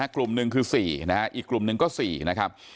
กลุ่มหนึ่งคือ๔นะฮะอีกกลุ่มหนึ่งก็๔นะครับ